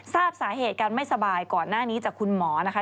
ทราบสาเหตุการไม่สบายก่อนหน้านี้จากคุณหมอนะคะ